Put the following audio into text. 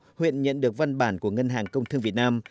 hội huyện nhận được văn bản của ngân hàng công thư việt nam